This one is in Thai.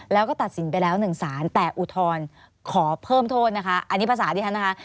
แล้วก็ตัดสินไปแล้วหนึ่งสารแต่อุทธรณ์ขอเพิ่มโทษนะคะอันนี้ภาษาที่ฉันนะคะ